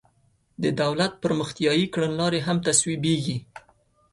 د دولت پرمختیایي کړنلارې هم تصویبیږي.